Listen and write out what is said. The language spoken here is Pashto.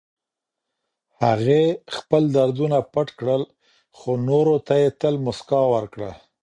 هغې خپل دردونه پټ کړل، خو نورو ته يې تل مسکا ورکړه.